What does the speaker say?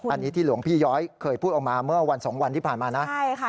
อันนี้ที่หลวงพี่ย้อยเคยพูดออกมาเมื่อ๒วันที่ผ่านมานะ